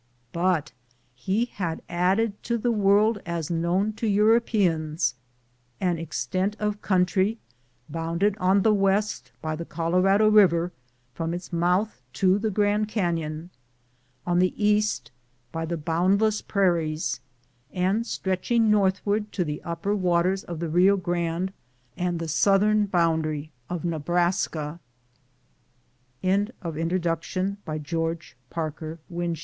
But he had added to the world as known to Europeans an extent of country bounded on the west by the Colorado Eiver from its mouth to the Grand Canon, ...Google INTRODUCTION on the east by the boundless prairies, and stretching northward to the upper waters of the Bio Grande and the southern boundary of Nebraska. Geokge Pabkeb Wms